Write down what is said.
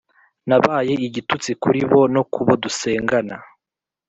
Nabaye igitutsi kuri bo nokubo dusengana